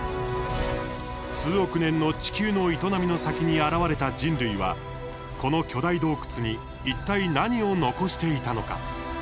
数億年の地球の営みの先に現れた人類はこの巨大洞窟にいったい何を残していたのか？